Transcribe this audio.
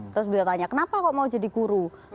terus beliau tanya kenapa kok mau jadi guru